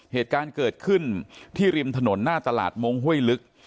เหตุการณ์เกิดขึ้นที่ริมถนนหน้าตลาดมงคห้วยลึก